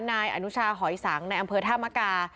นายอนุชาหอยสังในอำเภอธามกา